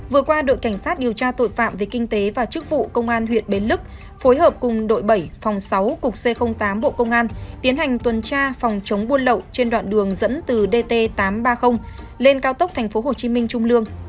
vừa qua đội cảnh sát điều tra tội phạm về kinh tế và chức vụ công an huyện bến lức phối hợp cùng đội bảy phòng sáu cục c tám bộ công an tiến hành tuần tra phòng chống buôn lậu trên đoạn đường dẫn từ dt tám trăm ba mươi lên cao tốc tp hcm trung lương